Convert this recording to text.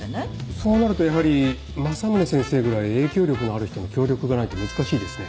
そうなるとやはり政宗先生ぐらい影響力のある人の協力がないと難しいですね。